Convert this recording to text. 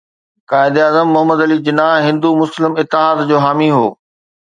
قائداعظم محمد علي جناح هندو مسلم اتحاد جو حامي هو